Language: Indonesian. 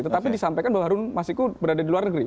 tetapi disampaikan bahwa harun masiku berada di luar negeri